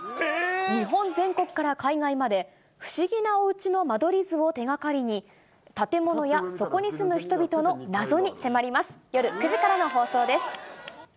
日本全国から海外まで、不思議なおうちの間取り図を手がかりに、建物やそこに住む人々の謎に迫ります。